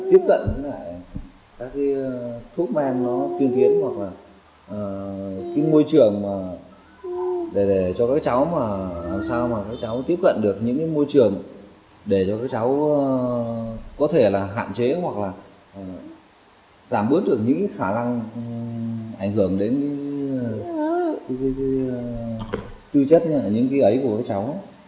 tiếp cận với các cái thuốc men nó tiên tiến hoặc là cái môi trường để cho các cháu làm sao mà các cháu tiếp cận được những môi trường để cho các cháu có thể là hạn chế hoặc là giảm bớt được những khả năng ảnh hưởng đến tư chất những cái ấy của các cháu